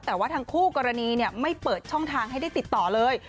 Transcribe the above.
แต่ว่าทั้งคู่กรณีไม่เปิดช่องทางให้ได้ติดต่อเลย